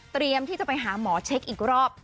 เตรียมที่จะไปหาหมอเช็คอีกรอบ